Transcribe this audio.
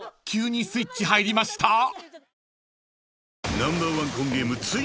急にスイッチ入りました？］